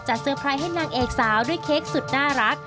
เซอร์ไพรส์ให้นางเอกสาวด้วยเค้กสุดน่ารัก